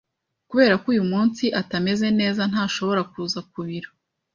Kubera ko uyu munsi atameze neza, ntashobora kuza ku biro.